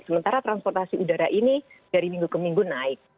sementara transportasi udara ini dari minggu ke minggu naik